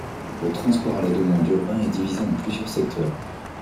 Le transport à la demande urbain est divisé en plusieurs secteurs.